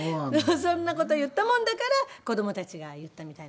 そんな事言ったもんだから子どもたちが言ったみたいなんですけど。